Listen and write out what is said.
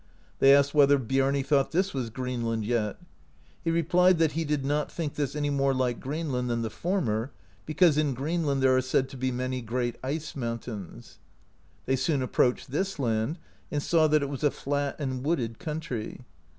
They asked whether Biarni thought this was Greenland yet. He replied that he did not think this any more like Greenland than the former, "because in Greenland there are said to be many great ice mountains." They soon approached this land, and saw that it was a flat and wooded country.